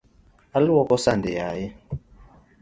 Aluoko sande yaye.